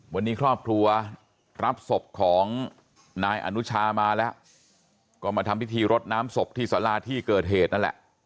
วันนี้ครอบครัวรับศพของนายอนุชามาแล้วก็มาทำพิธีรดน้ำศพที่สาราที่เกิดเหตุนั่นแหละ